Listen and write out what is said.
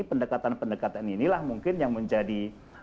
pendekatan pendekatan inilah mungkin yang menjadi